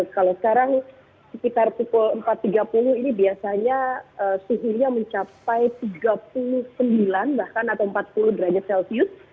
kalau sekarang sekitar pukul empat tiga puluh ini biasanya suhunya mencapai tiga puluh sembilan bahkan atau empat puluh derajat celcius